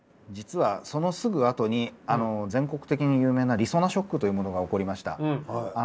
実はそのすぐあとに全国的に有名なりそなショックというものが起こりました。